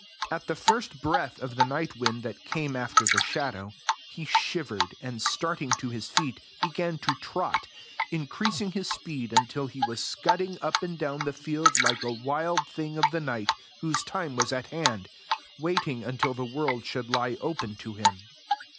At the first breath of the night wind that came after the shadow, he shivered, and starting to his feet, began to trot, increasing his speed until he was scudding up and down the field like a wild thing of the night, whose time was at hand, waiting until the world should lie open to him.